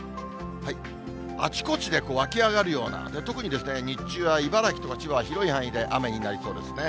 あちこちで湧き上がるような、特にですね、日中は茨城とか千葉は広い範囲で雨になりそうですね。